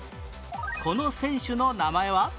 この選手の名前は？